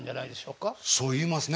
そう言いますね。